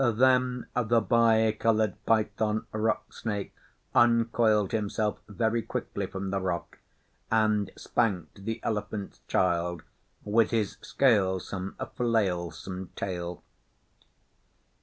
Then the Bi Coloured Python Rock Snake uncoiled himself very quickly from the rock, and spanked the Elephant's Child with his scalesome, flailsome tail.